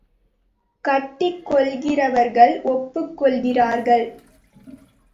கட்டிக் கொள்கிறவர்கள் ஒப்புக்கொள்கிறார்கள்.